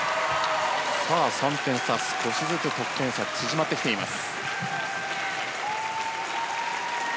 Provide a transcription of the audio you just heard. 少しずつ得点差が縮まってきています。